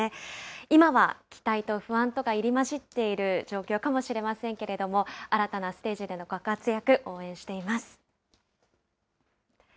今は期待と不安とが入り交じっている状況かもしれませんけれども、新たなステージでのご活躍、応援しています。